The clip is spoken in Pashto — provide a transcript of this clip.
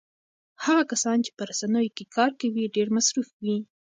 هغه کسان چې په رسنیو کې کار کوي ډېر مصروف وي.